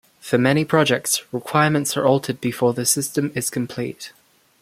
For many projects, requirements are altered before the system is complete.